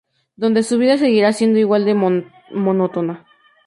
Donde su vida seguirá siendo igual de monótona.